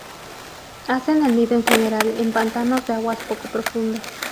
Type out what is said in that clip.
Hacen el nido en general en pantanos de aguas poco profundas.